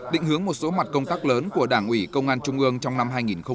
định hướng một số mặt công tác lớn của đảng ủy công an trung ương trong năm hai nghìn hai mươi